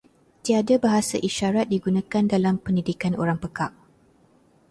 Tiada bahasa isyarat digunakan dalam pendidikan orang pekak.